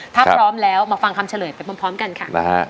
ถ้าพร้อมแล้วมาฟังคำเฉลยไปพร้อมกันค่ะ